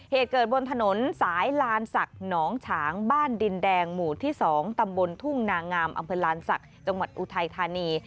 เหตุเกิดบนถนนสายลานศักดิ์หนองฉางบ้านดินแดงหมู่ที่๒ตำบลทุ่งนางามอำเภอลานศักดิ์จังหวัดอุทัยธานี